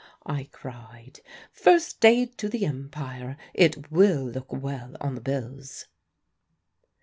I cried. "'First Aid to the Empire' it will look well on the bills."